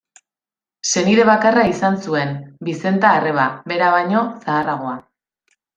Senide bakarra izan zuen, Bizenta arreba, bera baino zaharragoa.